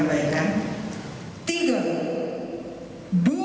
mau tidak mau